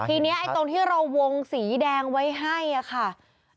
ทีนี้ไอ้ตรงที่เราวงสีแดงไว้ให้ค่ะ